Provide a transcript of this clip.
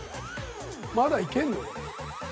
まだいけるの？